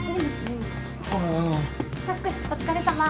匡お疲れさま。